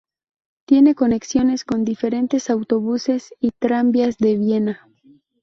Tiene conexiones con diferentes autobuses y tranvías de Viena.